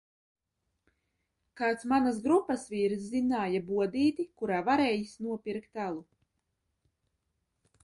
Kāds manas grupas vīrs zināja atrast bodīti, kurā varējis nopirkt alu.